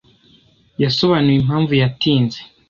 Yasobanuye impamvu yatinze.